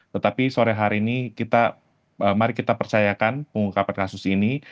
tetapi sore hari ini mari kita percayakan pengungkapan kasus ini